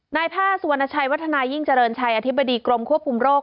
นายแพทย์สุวรรณชัยวัฒนายิ่งเจริญชัยอธิบดีกรมควบคุมโรค